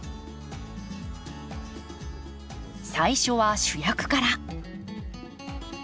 最初は主役から。